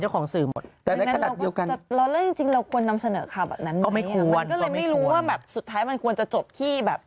แล้วจริงเราควรนำเสนอข่าวแบบนั้นไหม